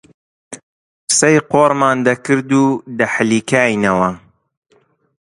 قسەی قۆڕمان دەکرد و دەحیلکاینەوە